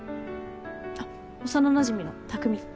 あっ幼なじみの匠。